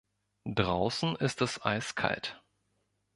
Draußen ist es eiskalt!